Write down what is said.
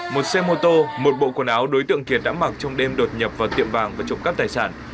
một xe mô tô một bộ quần áo đối tượng kiệt đã mặc trong đêm đột nhập vào tiệm vàng và trộm cắp tài sản